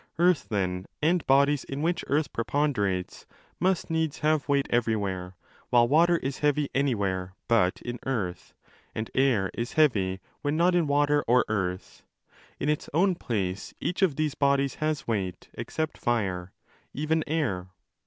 Earth, then, and bodies in which earth preponderates, must needs have weight everywhere, while water is heavy anywhere but in earth, and air is heavy when not in water or earth. In its own place each of these bodies has weight except fire, even air.